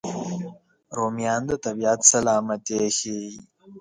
رومیان د طبیعت سلامتي ښيي